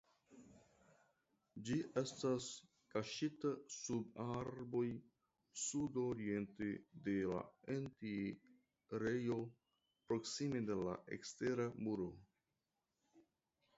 Ĝi estas kaŝita sub arboj sudoriente de la enirejo proksime de la ekstera muro.